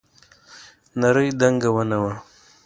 نرۍ دنګه ونه وه.